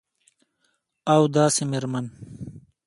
او داسي میرمن